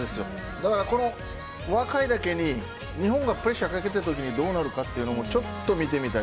だから、この若いだけに日本がプレッシャーかけてるときにどうなるかというのもちょっと見てみたい。